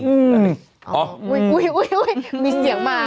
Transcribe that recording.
อืมอุ้ยมีเสียงมา